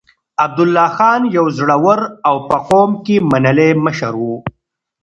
عبدالله خان يو زړور او په قوم کې منلی مشر و.